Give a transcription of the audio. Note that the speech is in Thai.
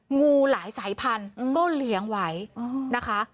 งูหลายสายพันธุ์ก็เลี้ยงไว้นะคะ